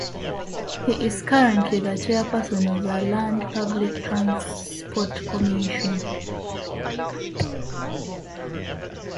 He is currently the chairman of the Land Public Transport Commission.